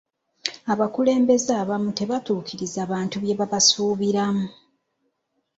Abakulembeze abamu tebaatuukiriza bantu bye babasuubiramu.